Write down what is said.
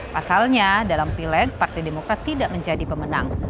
pasalnya dalam pileg partai demokrat tidak menjadi pemenang